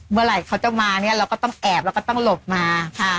เมื่อไหร่เขาจะมาเนี่ยเราก็ต้องแอบเราก็ต้องหลบมา